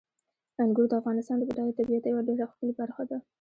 انګور د افغانستان د بډایه طبیعت یوه ډېره ښکلې برخه ده.